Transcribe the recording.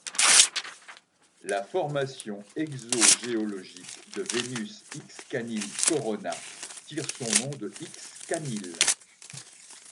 La formation exogéologique de Vénus Xcanil Corona tire son nom de Xcanil.